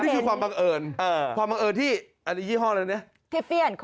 นี่คือความบังเอิญความบังเอิญที่อันนี้ยี่ห้ออะไรนะ